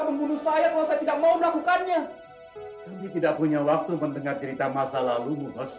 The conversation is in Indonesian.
membunuh saya kalau saya tidak mau melakukannya kami tidak punya waktu mendengar cerita masa lalu